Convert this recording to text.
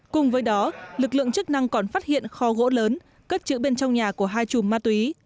cùng với đó lực lượng chức năng còn phát hiện kho gỗ lớn cất chữ bên trong nhà của hai chùm ma túy